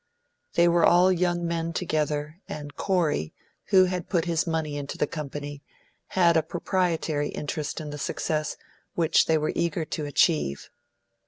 They were all young men together, and Corey, who had put his money into the company, had a proprietary interest in the success which they were eager to achieve.